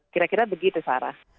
kira kira begitu sarah